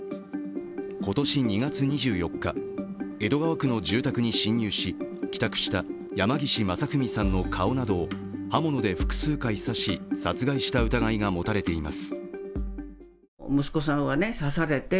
今年２月２４日、江戸川区の住宅に侵入し、帰宅した山岸正文さんの顔などを刃物で複数回刺し殺害した疑いが持たれています。